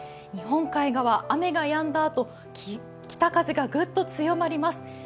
日本海側、雨がやんだあと、北風がグッと強まります。